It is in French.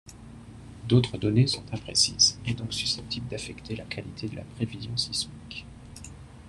D'autres données sont imprécises et donc susceptibles d'affecter la qualité de la prévision sismique.